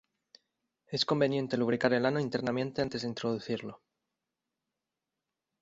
Es conveniente lubricar el ano internamente antes de introducirlo.